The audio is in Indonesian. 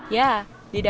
ya di dalamnya